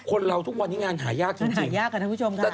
คนเราทุกวัน๒๐๐๓นงานหายากจริง